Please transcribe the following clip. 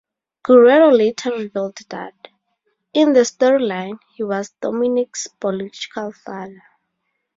Guerrero later revealed that, in the storyline, he was Dominick's biological father.